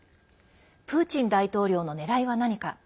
プーチン大統領のねらいは何か。